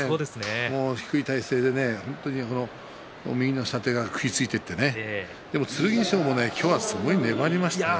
低い体勢で右の下手食いついていってでも剣翔も今日はすごい粘りましたよ。